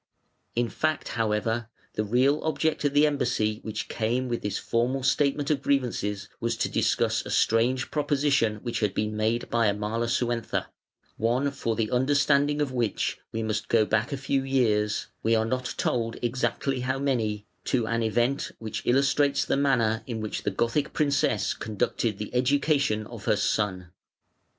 In fact, however, the real object of the embassy which came with this formal statement of grievances was to discuss a strange proposition which had been made by Amalasuentha, one for the understanding of which we must go back a few years (we are not told exactly how many) to an event which illustrates the manner in which the Gothic princess conducted the education of her son.